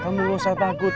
kamu gak usah takut